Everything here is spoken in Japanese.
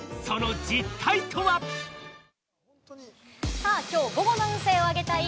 さあ今日、午後の運勢を上げたい！